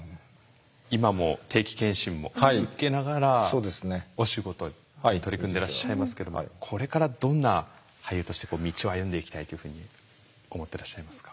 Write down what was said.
今も定期検診も受けながらお仕事に取り組んでらっしゃいますけどもこれからどんな俳優として道を歩んでいきたいというふうに思ってらっしゃいますか？